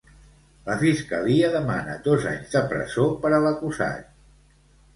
La fiscalia demana dos anys de presó per a l'acusat.